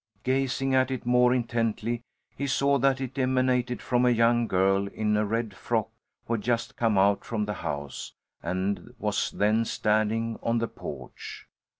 Gazing at it more intently, he saw that it emanated from a young girl in a red frock who had just come out from the house, and was then standing on the porch.